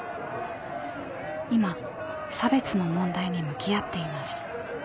今差別の問題に向き合っています。